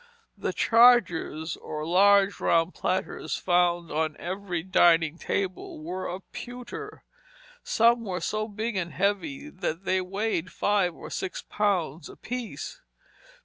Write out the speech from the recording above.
The chargers, or large round platters found on every dining table, were of pewter. Some were so big and heavy that they weighed five or six pounds apiece.